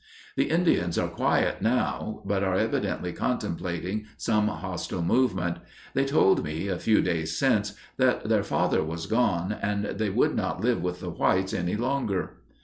The Indians are quiet now, but are evidently contemplating some hostile movement. They told me, a few days since, that their 'father' was gone and they would not live with the whites any longer.